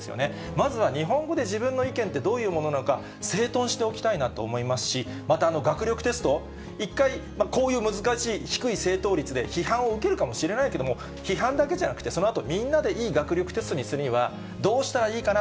まずは日本語で自分の意見ってどういうものなのか、整頓しておきたいなと思いますし、また学力テスト、一回、こういう難しい、低い正答率で、批判を受けるかもしれないけれども、批判だけじゃなくて、そのあと、みんなでいい学力テストにするには、どうしたらいいかな、